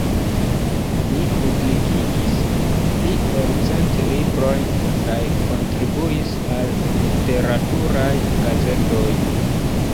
Li publikigis pli ol cent librojn kaj kontribuis al literaturaj gazetoj.